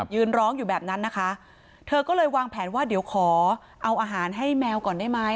ยืนร้องอยู่แบบนั้นนะคะเธอก็เลยวางแผนว่าเดี๋ยวขอเอาอาหารให้แมวก่อนได้ไหม